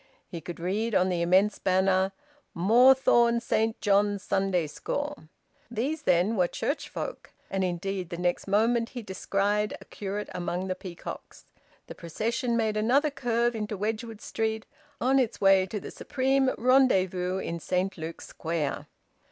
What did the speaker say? He could read on the immense banner: "Moorthorne Saint John's Sunday School." These, then, were church folk. And indeed the next moment he descried a curate among the peacocks. The procession made another curve into Wedgwood Street, on its way to the supreme rendezvous in Saint Luke's Square.